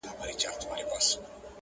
که بارونه په پسونو سي څوک وړلای،